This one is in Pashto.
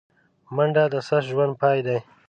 منډه د سست ژوند پای دی